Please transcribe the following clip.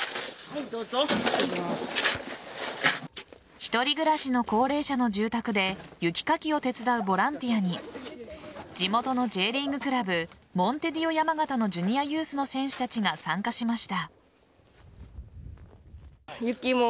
一人暮らしの高齢者の住宅で雪かきを手伝うボランティアに地元のＪリーグクラブモンテディオ山形のジュニアユースの選手たちが参加しました。